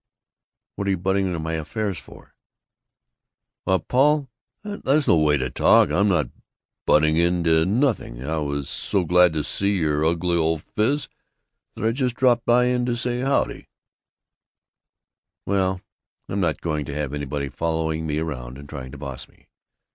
"What are you butting into my affairs for?" "Why, Paul, that's no way to talk! I'm not butting into nothing. I was so glad to see your ugly old phiz that I just dropped in to say howdy." "Well, I'm not going to have anybody following me around and trying to boss me.